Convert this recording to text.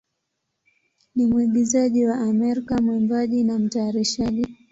ni mwigizaji wa Amerika, mwimbaji, na mtayarishaji.